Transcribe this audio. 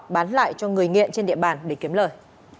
bán lại cho người nghiện trên địa bàn để kiếm lời